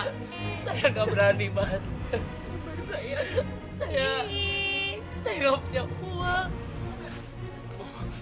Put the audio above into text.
saya gak berani pak saya gak punya uang